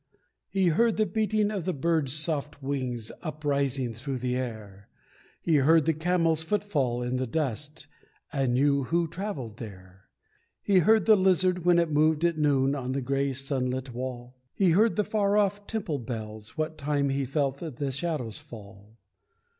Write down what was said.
He heard the beating of the bird's soft wings Uprising through the air; He heard the camel's footfall in the dust, And knew who travelled there. He heard the lizard when it moved at noon On the grey, sunlit wall; He heard the far off temple bells, what time He felt the shadows fall.